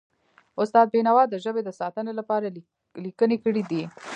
استاد بینوا د ژبې د ساتنې لپاره لیکنې کړی دي.